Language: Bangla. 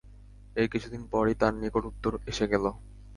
এর কিছুদিন পরই তাঁর নিকট উত্তর এসে গেল।